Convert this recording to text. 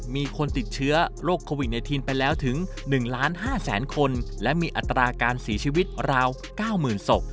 มีคนติดเชื้อโรคโควิด๑๙ไปแล้วถึง๑ล้าน๕แสนคนและมีอัตราการเสียชีวิตราว๙๐๐ศพ